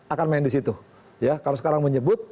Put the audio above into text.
akan main disitu ya kalau sekarang menyebut